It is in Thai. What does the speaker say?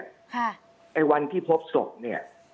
ไอ้วันที่พบศพเนี่ย